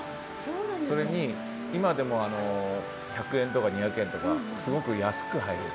それに今でも１００円とか２００円とかすごく安く入れる。